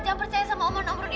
jangan percaya sama om rudi